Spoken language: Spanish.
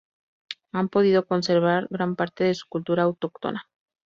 Han podido conservar gran parte de su cultura autóctona.